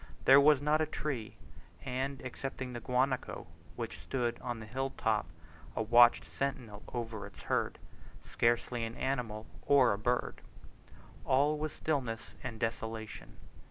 There was not a tree, and, excepting the guanaco, which stood on the hill top a watchful sentinel over its herd, scarcely an animal or a bird. All was stillness and desolation.